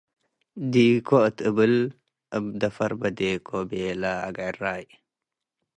“ዴኮ! እት እብል እብ ድፈር በዴኮ” ቤለ አግዕራይ።